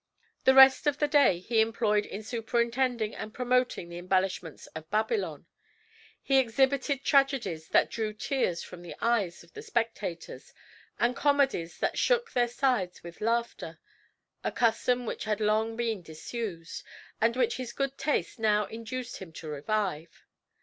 The rest of the day he employed in superintending and promoting the embellishments of Babylon. He exhibited tragedies that drew tears from the eyes of the spectators, and comedies that shook their sides with laughter; a custom which had long been disused, and which his good taste now induced him to revive.